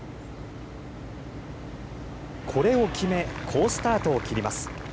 これを決め好スタートを切ります。